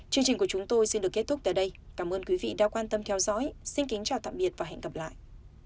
chương trình của chúng tôi xin được kết thúc tại đây cảm ơn quý vị đã quan tâm theo dõi xin kính chào tạm biệt và hẹn gặp lại